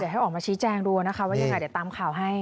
ให้ออกมาชี้แจงดูนะคะว่ายังไงเดี๋ยวตามข่าวให้